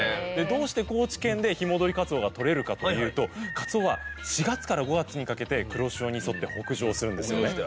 どうして高知県で日戻りかつおがとれるかというとかつおは４月から５月にかけて黒潮に沿って北上するんですよね。